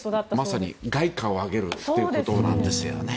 まさに凱歌を上げるということですね。